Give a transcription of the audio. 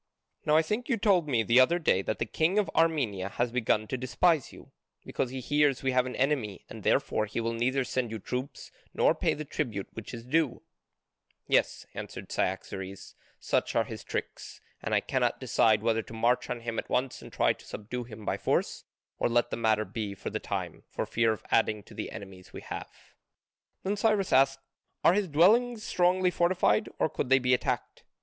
Now I think you told me the other day that the king of Armenia has begun to despise you, because he hears we have an enemy, and therefore he will neither send you troops nor pay the tribute which is due." "Yes," answered Cyaxares, "such are his tricks. And I cannot decide whether to march on him at once and try to subdue him by force, or let the matter be for the time, for fear of adding to the enemies we have." Then Cyrus asked, "Are his dwellings strongly fortified, or could they be attacked?"